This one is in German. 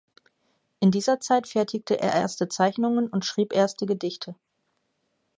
In dieser Zeit fertigte er erste Zeichnungen und schrieb erste Gedichte.